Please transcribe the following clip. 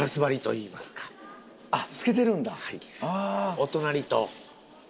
お隣と。